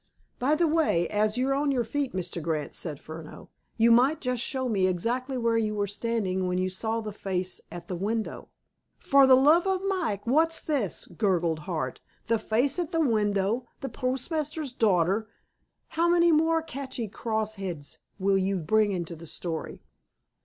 "By the way, as you're on your feet, Mr. Grant," said Furneaux, "you might just show me exactly where you were standing when you saw the face at the window." "For the love of Mike, what's this?" gurgled Hart. "'The face at the window'; 'the postmaster's daughter.' How many more catchy cross heads will you bring into the story?"